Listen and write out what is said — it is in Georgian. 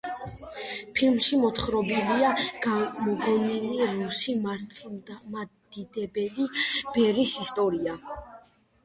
ფილმში მოთხრობილია გამოგონილი რუსი მართლმადიდებელი ბერის ისტორია.